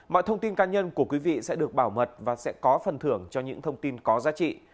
mọi thông tin cá nhân của quý vị sẽ được bảo mật và sẽ có phần thưởng cho những thông tin có giá trị